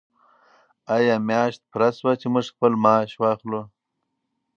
آیا میاشت پوره شوه چې موږ خپل معاش واخلو؟